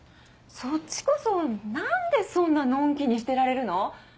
そっちこそ何でそんなのんきにしてられるの？